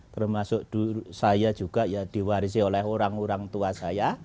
termasuk saya juga ya diwarisi oleh orang orang tua saya